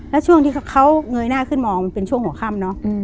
แล้วช่วงที่เขาเงยหน้าขึ้นมองมันเป็นช่วงหัวค่ำเนอะ